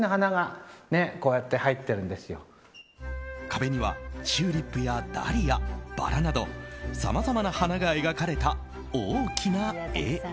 壁にはチューリップやダリアバラなどさまざまな花が描かれた大きな絵。